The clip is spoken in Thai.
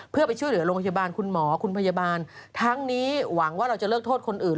เพื่อไปช่วยเหลือโรงพยาบาลคุณหมอคุณพยาบาลทั้งนี้หวังว่าเราจะเลิกโทษคนอื่น